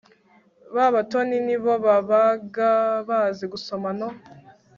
b abatoni ni bo babaga bazi gusoma no